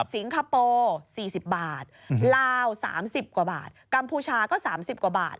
สิงคโปร์สี่สิบบาทลาวสามสิบกว่าบาทกัมพูชาก็สามสิบกว่าบาท